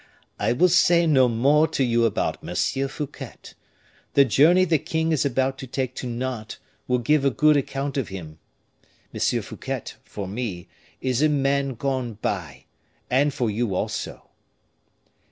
"I will say no more to you about M. Fouquet. The journey the king is about to take to Nantes will give a good account of him. M. Fouquet, for me, is a man gone by and for you also."